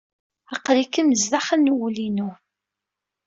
Aql-ikem sdaxel n wul-inu.